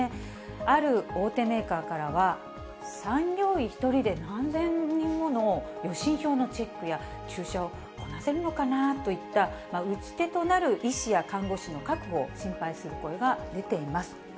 ある大手メーカーからは、産業医１人で何千人もの予診票のチェックや、注射をこなせるのかなといった、打ち手となる医師や看護師の確保を心配する声が出ています。